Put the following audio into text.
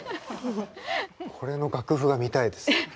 これの楽譜が見たいです。